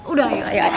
udah yuk yuk